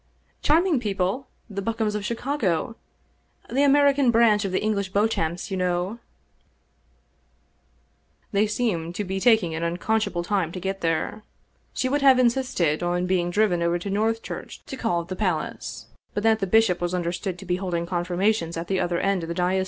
" Charming people, the Bokums of Chicago, the American branch of the English Beauchamps, you know !" They seemed to be tak ing an unconscionable time to get there. She would have insisted on being driven over to Northchurch to call at the palace, but that the Ij^shop was understood to be holding confirmations at the other end of the diocese.